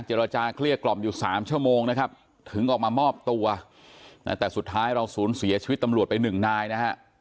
ราจาเกลี้ยกล่อมอยู่๓ชั่วโมงนะครับถึงออกมามอบตัวแต่สุดท้ายเราศูนย์เสียชีวิตตำรวจไปหนึ่งนายนะฮะ